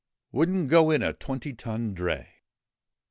Wouldn't go in a twenty ton dray